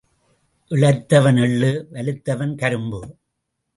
இளைத்தவன் எள்ளு வலுத்தவன் கரும்பு.